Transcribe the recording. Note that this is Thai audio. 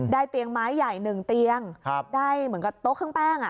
เตียงไม้ใหญ่๑เตียงได้เหมือนกับโต๊ะเครื่องแป้ง